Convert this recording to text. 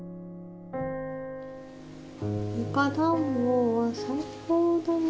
床暖房は最高だね。